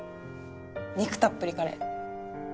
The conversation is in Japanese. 肉たっぷりカレー。